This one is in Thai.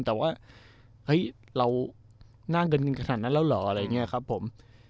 แต่ว่าเราน่าเงินเงินขนาดนั้นแล้วเหรออะไรอย่างนี้ครับผม